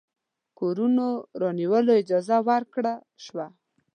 کورونو د رانیولو اجازه ورکړه شوه.